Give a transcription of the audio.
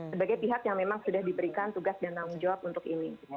sebagai pihak yang memang sudah diberikan tugas dan tanggung jawab untuk ini